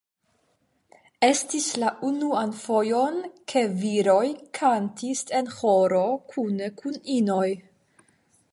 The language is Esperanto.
Estis la unuan fojon, ke viroj kantis en ĥoro kune kun inoj.